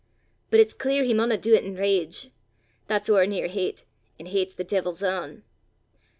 But it's clear he maunna do 't in rage that's ower near hate an' hate 's the deevil's ain.